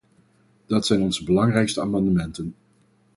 Dat zijn onze belangrijkste amendementen.